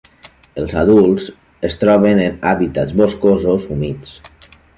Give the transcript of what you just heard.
Els adults es troben en hàbitats boscosos humits.